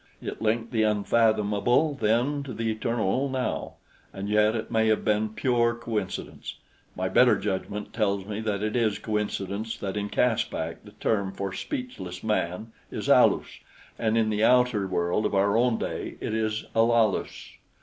It linked the unfathomable then to the eternal now. And yet it may have been pure coincidence; my better judgment tells me that it is coincidence that in Caspak the term for speechless man is Alus, and in the outer world of our own day it is Alalus.